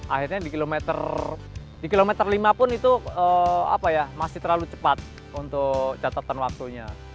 akhirnya di kilometer lima pun itu masih terlalu cepat untuk catatan waktunya